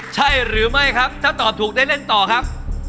ใช่หรือไม่ครับถ้าตอบถูกได้เล่นต่อครับ